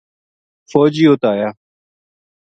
فوجی اُت آیا